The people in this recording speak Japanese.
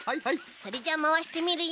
それじゃあまわしてみるよ。